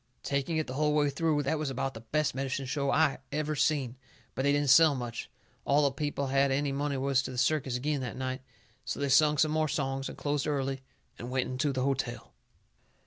Taking it the hull way through, that was about the best medicine show I ever seen. But they didn't sell much. All the people what had any money was to the circus agin that night. So they sung some more songs and closed early and went into the hotel.